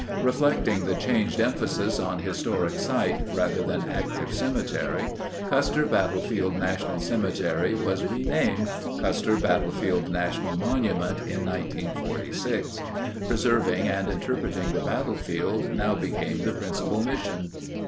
Reflecting the changed emphasis on historic site rather than active cemetery, Custer Battlefield National Cemetery was renamed Custer Battlefield National Monument in 1946. Preserving and interpreting the battlefield now became the principal mission.